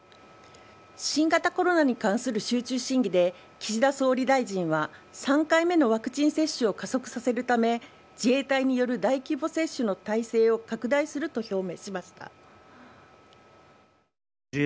新型コロナに関する集中審議で、岸田総理大臣は３回目のワクチン接種を加速させるため、自衛隊による大規模接種の態勢を拡大すると表明しました。